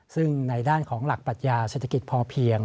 ซึ่งในด้านของหลักปรัชญาเศรษฐกิจพอเพียง